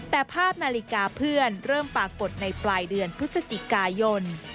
แต่ภาพนาฬิกาเพื่อนเริ่มปรากฏในปลายเดือนพฤศจิกายน